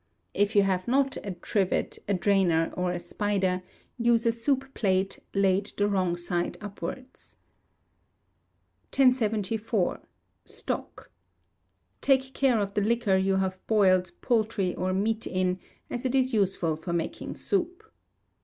If yeu have not a trivet, a drainer, or a "spider," use a soup plate laid the wrong side upwards. 1074. Stock. Take care of the liquor you have boiled poultry or meat in, as it is useful for making soup.